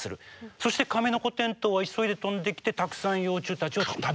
そしてカメノコテントウは急いで飛んできてたくさん幼虫たちを食べる。